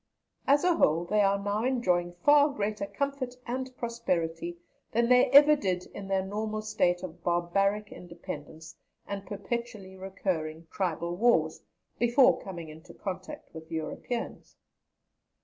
As a whole, they are now enjoying far greater comfort and prosperity than they ever did in their normal state of barbaric independence and perpetually recurring tribal wars, before coming into contact with Europeans.